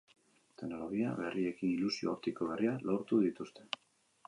Teknologia berriekin ilusio optiko berriak lortu dituzte.